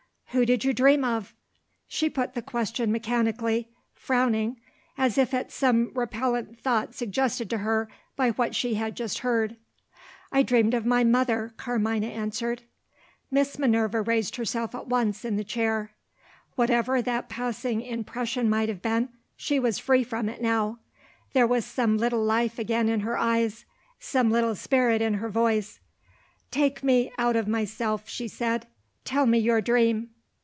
"Who did you dream of?" She put the question mechanically frowning, as if at some repellent thought suggested to her by what she had just heard. "I dreamed of my mother," Carmina answered. Miss Minerva raised herself at once in the chair. Whatever that passing impression might have been, she was free from it now. There was some little life again in her eyes; some little spirit in her voice. "Take me out of myself," she said; "tell me your dream."